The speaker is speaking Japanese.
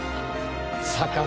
「魚」